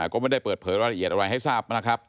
ก็ไม่ได้เปิดเผยรายละเอียดอะไรให้ทราบนะครับ